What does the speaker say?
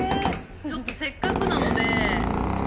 ちょっとせっかくなので。